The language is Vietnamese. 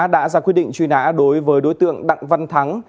đã ra quyết định truy nã đối với đối tượng đặng văn thắng